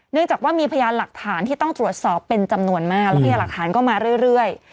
จากว่ามีพยานหลักฐานที่ต้องตรวจสอบเป็นจำนวนมากแล้วพยานหลักฐานก็มาเรื่อย